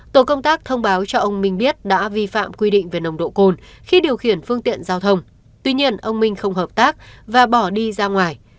tổ công tác thông báo cho ông minh biết đã vi phạm quy định về nồng độ cồn khi điều khiển phương tiện giao thông tuy nhiên ông minh không hợp tác và bỏ đi ra ngoài